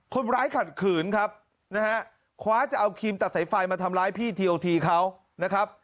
คนร้ายขัดขืนครับนะฮะคว้าจะเอาครีมตัดสายไฟมาทำร้ายพี่ทีโอทีเขานะครับ